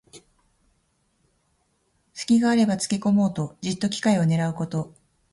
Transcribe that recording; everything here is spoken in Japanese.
すきがあればつけこもうと、じっと機会をねらうこと。